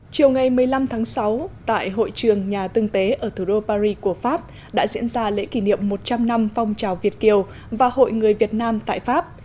chiều ngày một mươi năm tháng sáu tại hội trường nhà tương tế ở thủ đô paris của pháp đã diễn ra lễ kỷ niệm một trăm linh năm phong trào việt kiều và hội người việt nam tại pháp